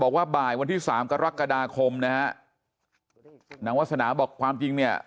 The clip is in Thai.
บอกว่าบ่ายวันที่สามกรกฎาคมนะฮะนางวาสนาบอกความจริงเนี่ย